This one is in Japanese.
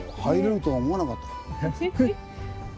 入れるとは思わなかった。